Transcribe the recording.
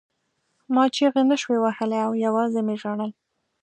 ما چیغې نشوې وهلی او یوازې مې ژړل